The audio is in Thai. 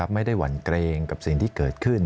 หวั่นเกรงกับสิ่งที่เกิดขึ้น